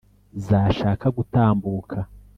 zashaka gutambuka